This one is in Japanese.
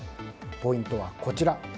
ポイントはこちら。